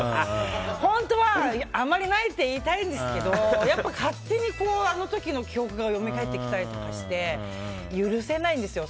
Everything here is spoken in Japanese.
本当はあまりないって言いたいんですけどやっぱり勝手にあの時の記憶がよみがえってきたりとかして許せないんですよ。